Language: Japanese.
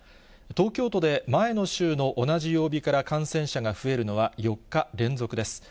東京都で前の週の同じ曜日から感染者が増えるのは４日連続です。